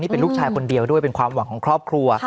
เป็นลูกชายคนเดียวด้วยเป็นความหวังของครอบครัว